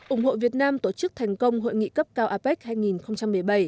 ủng hộ việt nam tổ chức thành công hội nghị cấp cao apec hai nghìn một mươi bảy